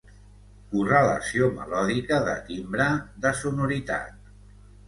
Correlació melòdica, de timbre, de sonoritat.